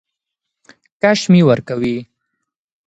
کش مي ورکوی .